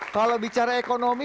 kalau bicara ekonomi